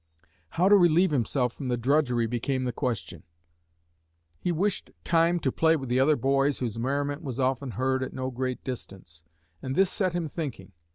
How to relieve himself from the drudgery became the question. He wished time to play with the other boys whose merriment was often heard at no great distance, and this set him thinking.